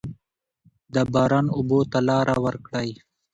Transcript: د باران اوبو ته لاره ورکړئ.